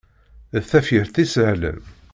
D tafyirt isehlen.